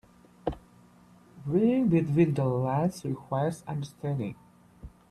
Reading between the lines requires understanding.